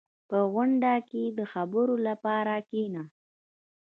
• په غونډه کې د خبرو لپاره کښېنه.